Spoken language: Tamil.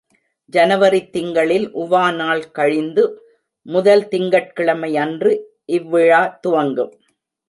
ஜனவரித் திங்களில் உவா நாள் கழிந்து, முதல் திங்கட்கிழமையன்று இவ் விழா துவங்கும்.